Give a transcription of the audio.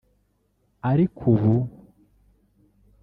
Ariko ubu